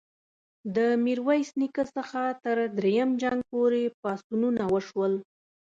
د میرویس نیکه څخه تر دریم جنګ پوري پاڅونونه وشول.